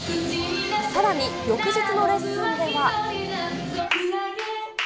さらに、翌日のレッスンでは。